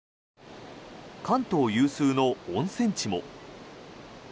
関東有数の温泉地も。